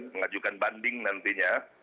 mengajukan banding nantinya